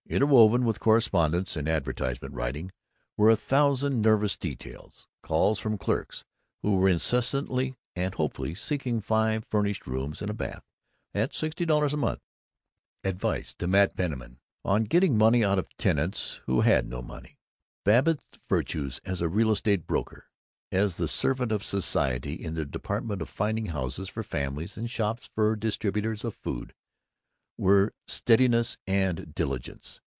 Interwoven with correspondence and advertisement writing were a thousand nervous details: calls from clerks who were incessantly and hopefully seeking five furnished rooms and bath at sixty dollars a month; advice to Mat Penniman on getting money out of tenants who had no money. Babbitt's virtues as a real estate broker as the servant of society in the department of finding homes for families and shops for distributors of food were steadiness and diligence.